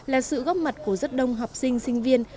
là sự góp mặt của rất đông học sinh sinh viên